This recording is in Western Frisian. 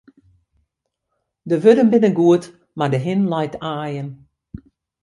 De wurden binne goed, mar de hin leit aaien.